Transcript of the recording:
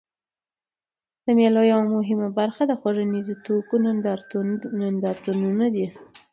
د مېلو یوه مهمه برخه د خوړنیزو توکو نندارتونونه دي.